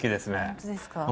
本当ですか？